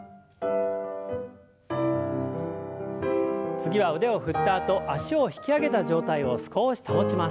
次は腕を振ったあと脚を引き上げた状態を少し保ちます。